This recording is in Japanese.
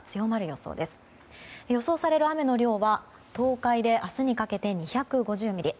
予想される雨の量は東海で明日にかけて２５０ミリ。